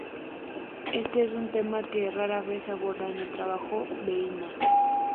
Este es un tema que rara vez se aborda en un trabajo de Inna.